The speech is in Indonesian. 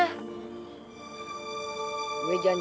kamu mau kemana